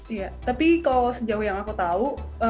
iya tapi kalau sejauh yang aku tahu